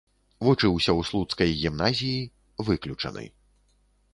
Вучыўся ў слуцкай гімназіі, выключаны.